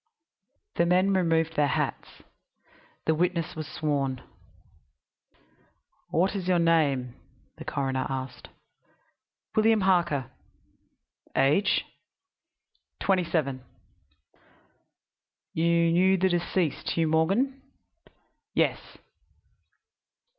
The men removed their hats. The witness was sworn. "What is your name?" the coroner asked. "William Harker." "Age?" "Twenty seven." "You knew the deceased, Hugh Morgan?" "Yes."